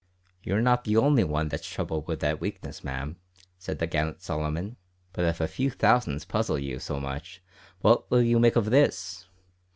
"You're not the only one that's troubled with that weakness, ma'am," said the gallant Solomon, "but if a few thousands puzzle you so much what will you make of this?